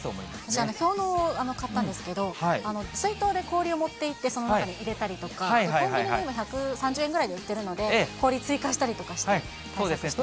じゃあ、氷のうを買ったんですけど、水筒で氷を持っていって、その中に入れたりとか、コンビニでも１３０円ぐらいで売ってるので、そうですね。